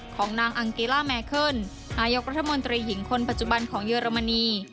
ของนางอังเกล่าแมเคิลนายกรัฐมนตรีหญิงคนปัจจุบันของเยอรมนี